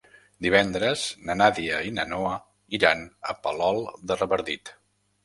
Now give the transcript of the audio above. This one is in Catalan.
Divendres na Nàdia i na Noa iran a Palol de Revardit.